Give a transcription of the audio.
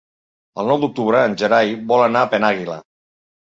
El nou d'octubre en Gerai vol anar a Penàguila.